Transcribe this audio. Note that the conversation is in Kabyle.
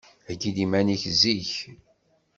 Heyyi-d iman-ik zik.